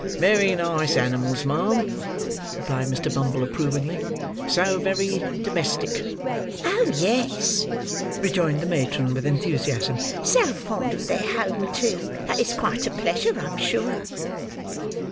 "Very nice animals, ma'am," replied Mr. Bumble, approvingly; "so very domestic." "Oh, yes!" rejoined the matron with enthusiasm; "so fond of their home too, that it's quite a pleasure, I'm sure."